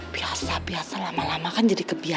kamu karena makan resolusi tubuh